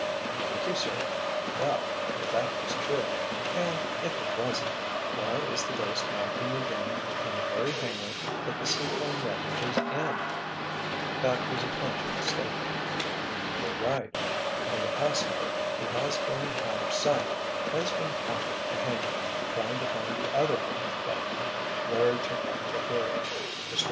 "Thank you, sir. Well, if that was true—and if it wasn't—why is the ghost walking again in the very hangar that the seaplane wreckage is in?" That was a clinching statement. "You're right. And the passenger, who has been out of sight, has been haunting the hangar, trying to find the other life belt," Larry took up the theory. "Mr.